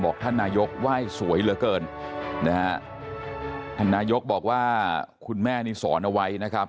ท่านนายกไหว้สวยเหลือเกินนะฮะท่านนายกบอกว่าคุณแม่นี่สอนเอาไว้นะครับ